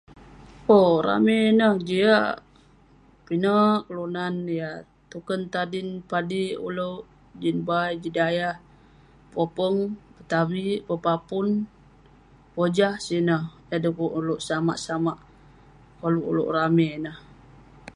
owk..ramey ineh jiak, pinek kelunan yah tuken tadin padik ulouk, jin bai jin dayah, popeng ,petavik, pepapun, pojah sineh, yah du'kuk ulouk samak samak koluk ulouk ramey ineh